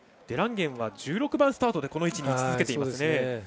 デランゲンは１６番スタートでこの位置に、い続けていますね。